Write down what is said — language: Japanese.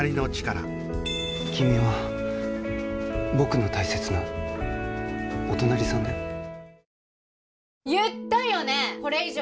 君は僕の大切なお隣さんだよ。